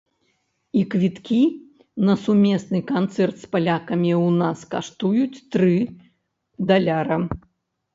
І квіткі на сумесны канцэрт з палякамі ў нас каштуюць тры даляра.